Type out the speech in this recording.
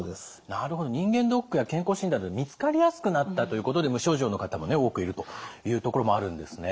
なるほど人間ドックや健康診断で見つかりやすくなったということで無症状の方も多くいるというところもあるんですね。